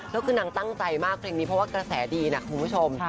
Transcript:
นางตั้งใจมากเพราะกระแสดีนะคุณผู้ชม